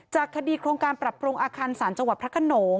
จากคดีโครงการปรับปรุงอาคันสารจพระขนม